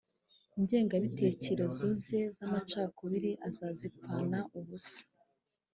ingengabitekerezo ze z’amacakubiri aza zipfana ubusa